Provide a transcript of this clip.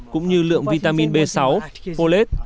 cũng như lượng vitamin b sáu folate